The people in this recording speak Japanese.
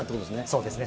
そうですね。